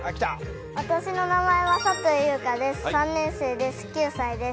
私の名前は佐藤ゆうかです。